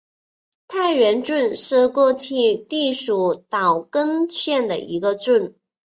大原郡是过去隶属岛根县的一郡。